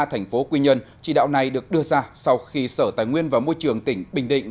thành phố quy nhân chỉ đạo này được đưa ra sau khi sở tài nguyên và môi trường tỉnh bình định